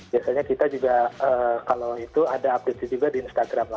biasanya kita juga kalau itu ada update nya juga di instagram